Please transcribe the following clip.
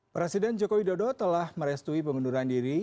presiden jokowi dodo telah merestui pengunduran diri